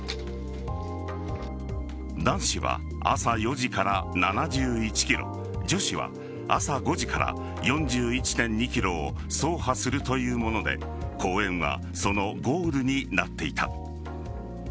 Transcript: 男子は朝４時から７１ｋｍ女子は朝５時から４１．２ｋｍを走破するというもので公園は、そのゴールになっていた。